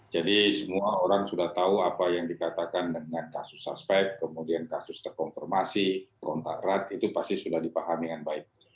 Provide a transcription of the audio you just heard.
jadi semua orang sudah tahu apa yang dikatakan dengan kasus suspek kemudian kasus terkonfirmasi kontak rat itu pasti sudah dipahami dengan baik